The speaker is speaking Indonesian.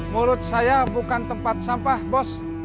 menurut saya bukan tempat sampah bos